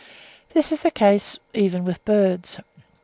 This is the case even with birds.